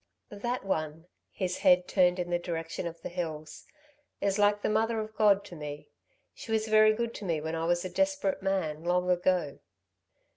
"That one," his head turned in the direction of the hills, "is like the Mother of God to me. She was very good to me when I was a desperate man, long ago."